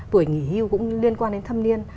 cuổi nghỉ hưu cũng liên quan đến thâm niên